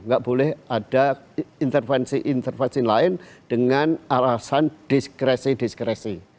nggak boleh ada intervensi intervensi lain dengan alasan diskresi diskresi